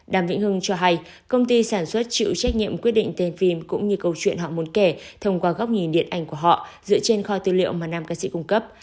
đàm vĩnh hưng cho hay công ty sản xuất chịu trách nhiệm quyết định tên phim cũng như câu chuyện họ muốn kể thông qua góc nhìn điện ảnh của họ dựa trên kho tư liệu mà nam ca sĩ cung cấp